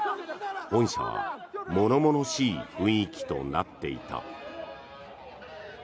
本社は物々しい雰囲気となっていた。